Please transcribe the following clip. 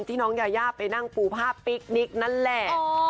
น้องยายาไปนั่งปูภาพปิ๊กนิกนั่นแหละ